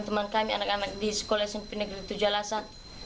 teman kami anak anak di sekolah smp negeri tujuh alasan